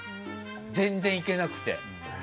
全然いけなくて。